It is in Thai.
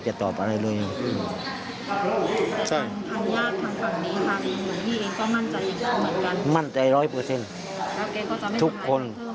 แล้วเก่งก็จะไม่หายแค่เพิ่มเหรอ